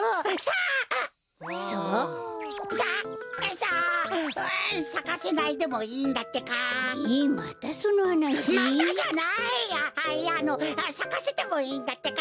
あっいやあのさかせてもいいんだってか。